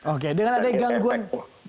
oke dengan adanya gangguan